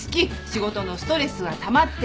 仕事のストレスはたまってる。